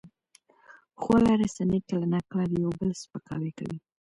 خواله رسنۍ کله ناکله د یو بل سپکاوی کوي.